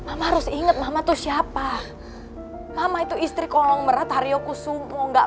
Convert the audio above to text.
harus inget mama tuh siapa mama itu istri kolong merah tarioku sumo nggak